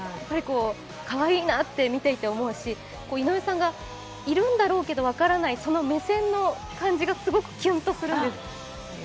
かわいいなって見ていて思うし、井上さんがいるんだろうけど分からないその目線の感じがすごくキュンとするんです。